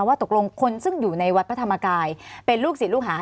ว่าตกลงคนซึ่งอยู่ในวัดพระธรรมกายเป็นลูกศิษย์ลูกหา